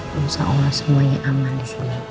semoga allah semuanya aman di sini